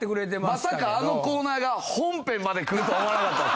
まさかあのコーナーが本編までくるとは思わなかった。